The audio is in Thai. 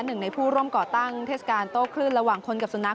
หนึ่งในผู้ร่วมก่อตั้งเทศกาลโต้คลื่นระหว่างคนกับสุนัข